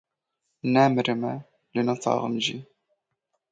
Nemirime, lê ne sax im jî.